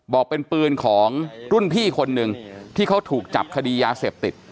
บอกเป็นปืนของรุ่นพี่คนหนึ่งที่เขาถูกจับคดียาเสพติด